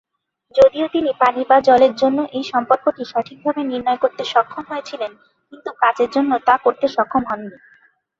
যদিও তিনি পানি বা জলের জন্য এই সম্পর্কটি সঠিকভাবে নির্ণয় করতে সক্ষম হয়েছিলেন, কিন্তু কাচের জন্য তা করতে সক্ষম হননি।